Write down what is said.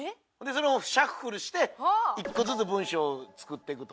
それをシャッフルして１個ずつ文章を作っていくと。